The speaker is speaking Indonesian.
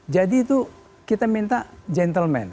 jadi itu kita minta gentleman